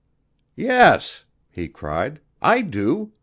"Yes," he cried, "I do.